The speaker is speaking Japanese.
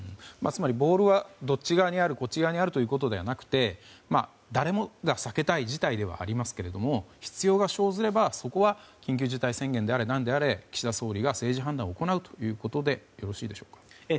つまり、ボールはどっち側にあるこっち側にあるということではなくて誰もが避けたい事態ではありますが、必要が生ずればそこは緊急事態宣言であれ何であれ、岸田総理が政治判断を行うということでしょうか？